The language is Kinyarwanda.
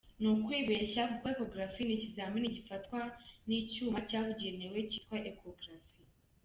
Ni ukwibeshya kuko Echographie ni ikizamini gifatwa n’icyuma cyabugenewe cyitwa Echographe.